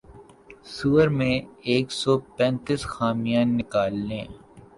سؤر میں ایک سو پینتیس خامیاں نکال لیں